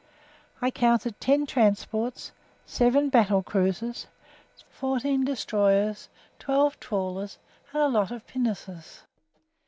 I counted ten transports, seven battle cruisers, fourteen destroyers, twelve trawlers and a lot of pinnaces.